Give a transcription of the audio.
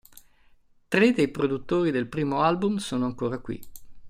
Tre dei produttori del primo album sono ancora qui.